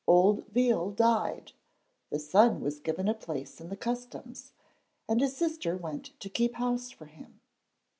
Old Veal died; the son was given a place in the Customs, and his sister went to keep house for him.